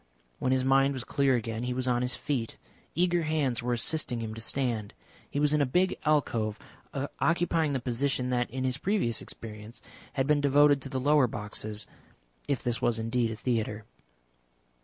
When his mind was clear again he was on his feet; eager hands were assisting him to stand. He was in a big alcove, occupying the position that in his previous experience had been devoted to the lower boxes. If this was indeed a theatre.